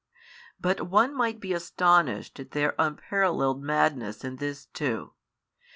But one might be astonished at their unparallelled madness in this too.